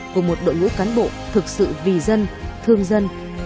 của một đội ngũ cán bộ thực sự vì dân thương dân